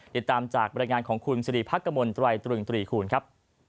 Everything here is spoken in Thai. ติดตามจากบรรยายงานของคุณสิริพักกมลตรายตรึงตรีคูณครับ